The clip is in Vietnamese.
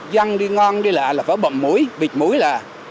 dân đi ngon đi lạ là phải bậm mũi bịch mũi là